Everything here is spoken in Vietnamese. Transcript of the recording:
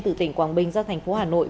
từ tỉnh quảng bình ra thành phố hà nội